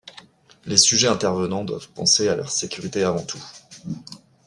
Les sujets intervenants doivent penser à leur sécurité avant tout.